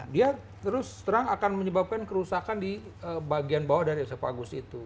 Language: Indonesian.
dia terus terang akan menyebabkan kerusakan di bagian bawah dari esepagus itu